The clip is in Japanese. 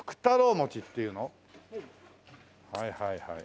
はいはいはい。